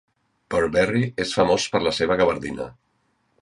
Burberry és famós per la seva gavardina.